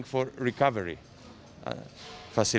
jadi saya harus mengatakan